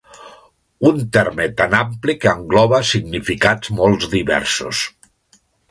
Un terme tan ampli que engloba significats molt diversos.